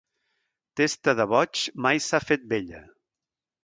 Testa de boig mai s'ha fet vella.